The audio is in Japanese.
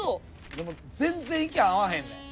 でも全然意見合わへんねん。